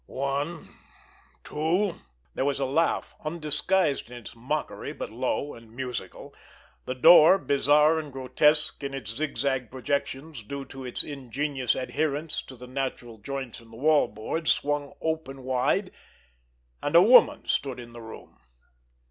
One—two——" There was a laugh, undisguised in its mockery, but low and musical. The door, bizarre and grotesque in its zigzag projections, due to its ingenious adherence to the natural joints in the wall boards, swung open wide, and a woman stood in the room.